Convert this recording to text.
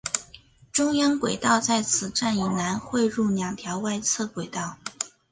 中央轨道在此站以南汇入两条外侧轨道。